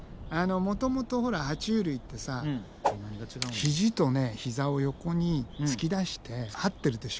もともとほらは虫類ってさ肘と膝を横に突き出してはってるでしょ。